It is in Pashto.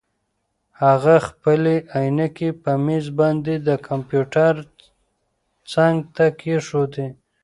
هغه خپلې عینکې په مېز باندې د کمپیوټر څنګ ته کېښودې.